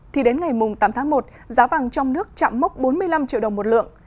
thì đến ngày tám tháng một giá vàng trong nước chạm mốc bốn mươi năm triệu đồng một lượng